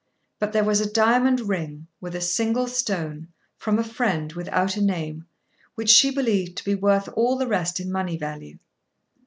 But there was a diamond ring with a single stone, from a friend, without a name, which she believed to be worth all the rest in money value.